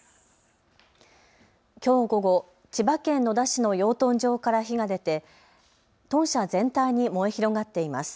きょう午後、千葉県野田市の養豚場から火が出て豚舎全体に燃え広がっています。